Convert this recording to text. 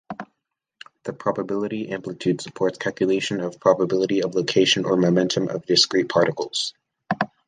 The probability amplitude supports calculation of probability of location or momentum of discrete particles.